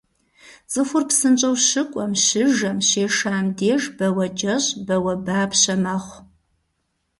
Цӏыхур псынщӏэу щыкӏуэм, щыжэм, щешам деж бауэкӏэщ, бауэбапщэ мэхъу.